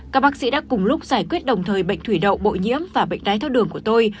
các bác sĩ đã cùng lúc giải quyết đồng thời bệnh thủy đậu bội nhiễm và bệnh đái tháo đường của tôi